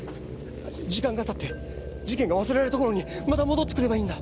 時間が経って事件が忘れられた頃にまた戻ってくればいいんだ。